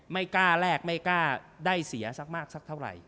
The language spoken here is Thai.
ไม่กล้าแลกไม่กล้าได้เสียสักมากสักเท่าไหร่